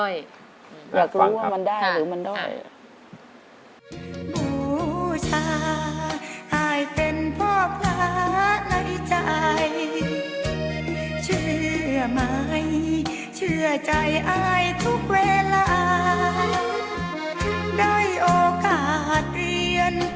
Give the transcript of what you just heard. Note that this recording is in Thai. อยากรู้ว่ามันได้หรือมันด้อย